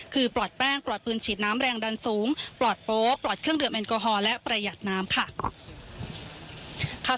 คือปลอดแป้งปลอดปืนฉีดน้ำแรงดันสูงปลอดโป๊ปลอดเครื่องดื่มแอลกอฮอล์และประหยัดน้ำค่ะ